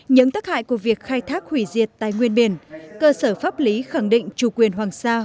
những tác hại của việc khai thác hủy diệt tài nguyên biển cơ sở pháp lý khẳng định chủ quyền hoàng sa